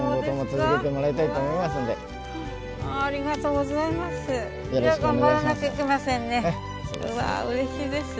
うわうれしいです。